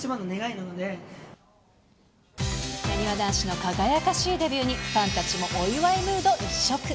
なにわ男子の輝かしいデビューにファンたちもお祝いムード一色。